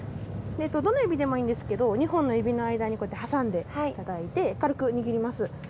どの指でもいいんですけど２本の指の間にこうやって挟んでいただいて軽く握ります。